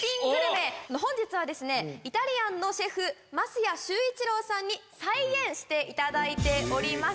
本日はイタリアンのシェフ桝谷周一郎さんに再現していただいております。